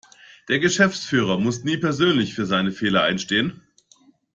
Der Geschäftsführer muss nie persönlich für seine Fehler einstehen.